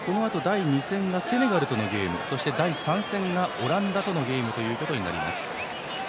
カタールはこのあと第２戦がセネガルとのゲーム第３戦がオランダとのゲームとなります。